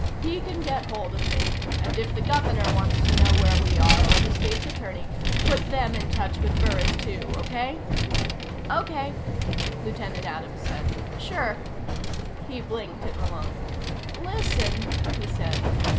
"He can get hold of me and if the Governor wants to know where we are, or the State's Attorney, put them in touch with Burris too. Okay?" "Okay," Lieutenant Adams said. "Sure." He blinked at Malone. "Listen," he said.